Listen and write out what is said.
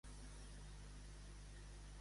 Hi ha algun lampista al passatge del Caminal?